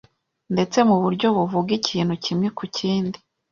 ndetse mu buryo buvuga ikintu kimwe ku kindi